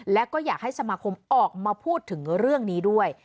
และก็อยากให้สมาคมออกมาพูดถึงเรื่องนี้ด้วย